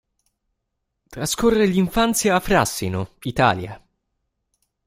Trascorre l'infanzia a Frassino, Italia.